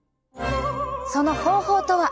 その方法とは。